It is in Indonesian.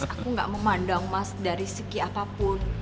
aku gak memandang mas dari segi apapun